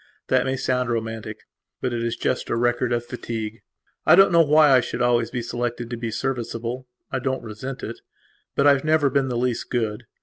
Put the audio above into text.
That may sound romanticbut it is just a record of fatigue. I don't know why I should always be selected to be serviceable. I don't resent itbut I have never been the least good.